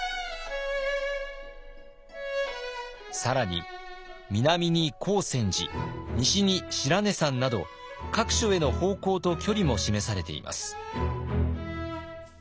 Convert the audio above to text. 更に南に光泉寺西に白根山など各所への方向と距離も示されています。